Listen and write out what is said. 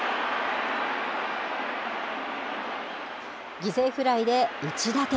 犠牲フライで１打点。